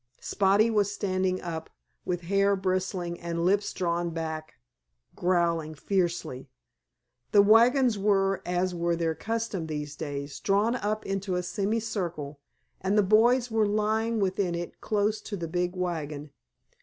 Spotty was standing up, with hair bristling and lips drawn back, growling fiercely. The wagons were, as was their custom these days, drawn up into a semicircle, and the boys were lying within it close to the big wagon.